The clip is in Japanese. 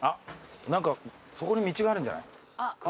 何かそこに道があるんじゃない？